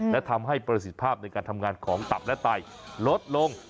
และทำให้ประสิทธิภาพในการทำงานของตับและไตลดลง